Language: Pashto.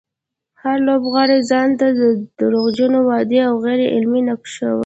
هر لوبغاړی ځانته د دروغجنو وعدو او غير عملي نقشونه.